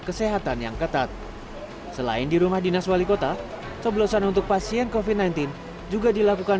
kesehatan yang ketat selain di rumah dinas wali kota coblosan untuk pasien kofi sembilan belas juga dilakukan